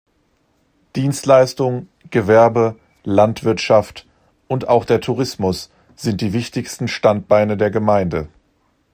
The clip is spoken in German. Dienstleistung, Gewerbe, Landwirtschaft und auch der Tourismus sind die wichtigsten Standbeine der Gemeinde.